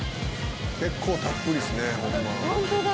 「結構たっぷりですねホンマ」